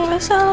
gue gak salah